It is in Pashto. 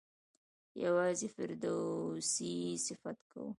یوازې فردوسي یې صفت کوي.